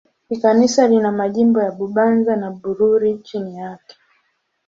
Kikanisa lina majimbo ya Bubanza na Bururi chini yake.